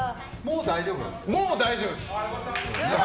もう大丈夫です。